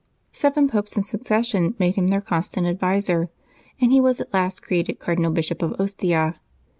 Seven Popes in succession made him their constant adviser, and he was at last created Cardinal Bishop of Ostia.